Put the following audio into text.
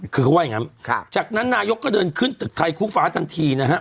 คือเขาว่าอย่างนั้นจากนั้นนายกก็เดินขึ้นตึกไทยคู่ฟ้าทันทีนะฮะ